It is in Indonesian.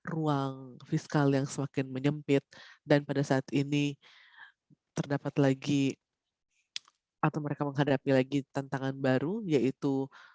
ruang fiskal yang semakin menyempit dan pada saat ini terdapat lagi atau mereka menghadapi lagi tantangan baru yaitu